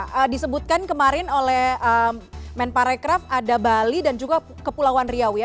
ya disebutkan kemarin oleh men pariwisata ada bali dan juga kepulauan riau ya